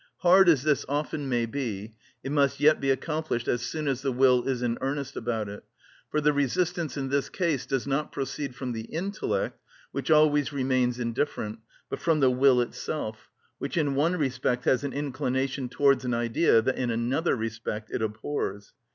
Hard as this often may be, it must yet be accomplished as soon as the will is in earnest about it, for the resistance in this case does not proceed from the intellect, which always remains indifferent, but from the will itself, which in one respect has an inclination towards an idea that in another respect it abhors.